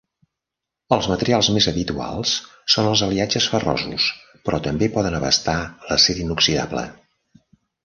Els materials més habituals són els aliatges ferrosos, però també poden abastar l'acer inoxidable.